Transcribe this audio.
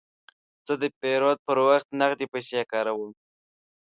زه د پیرود پر وخت نغدې پیسې کاروم.